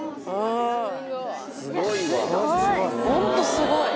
すごいね。